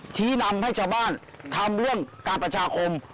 ชี้นำให้ชาวบ้านทำเรื่องการประชาคม